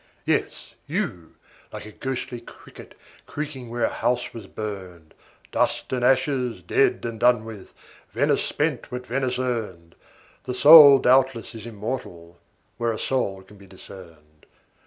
Yes, you, like a ghostly cricket, creaking where a house was burned: "Dust and ashes, dead and done with, Venice spent what Venice earned. The soul, doubtless, is immortal where a soul can be discerned.